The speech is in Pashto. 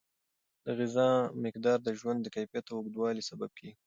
د غذا مقدار د ژوند د کیفیت او اوږدوالي سبب کیږي.